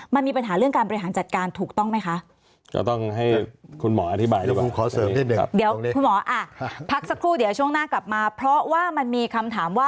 มันมีปัญหาเรื่องการบริหารจัดการถูกต้องไหมคะ